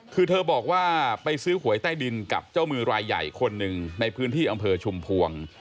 คือเธอบอกว่าไปซื้อหวยใต้ดินกับเจ้ามือรายใหญ่คนหนึ่งในพื้นที่อำเภอชุมพวง